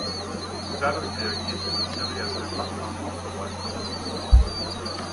Dadurch reagiert dieser Terrier sehr wachsam auf Geräusche und Bewegungen.